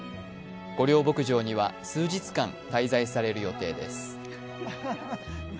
御料牧場には数日間、滞在される予定です。